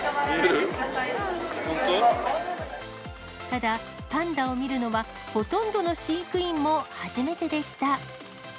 ただ、パンダの見るのはほとんどの飼育員も初めてでした。